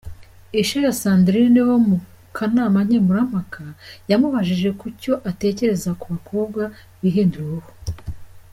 Isheja Sandirine wo mu kanama nkemurampaka, yamubajije kucyo atekereza ku bakobwa bihindura uruhu.